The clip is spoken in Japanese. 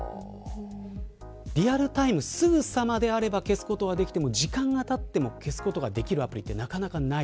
リアルタイム、すぐさまであれば消すことはできても時間がたっても消すことができるアプリって、なかなかない。